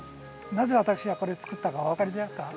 なぜ私がこれ作ったかお分かりですか？